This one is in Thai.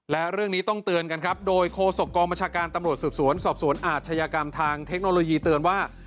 และเรื่องนี้ต้องเตือนกันครับโดยโคศกกองบัญชาการตำรวจสืบสวนสอบสวนอาชญากรรมทางเทคโนโลยีเตือนว่า